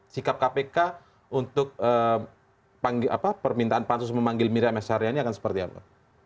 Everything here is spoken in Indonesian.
sikap kpk untuk permintaan pansus memanggil miriam s haryani akan seperti apa